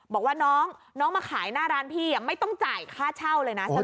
บอกว่าน้องมาขายหน้าร้านพี่ไม่ต้องจ่ายค่าเช่าเลยนะ